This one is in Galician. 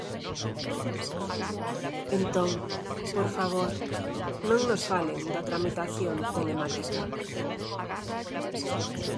Entón, por favor, non nos falen da tramitación telemática.